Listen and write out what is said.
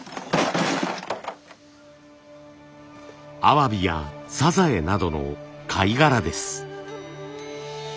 アワビやサザエなどの貝殻です。